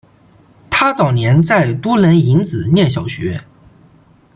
他早年在都楞营子念小学。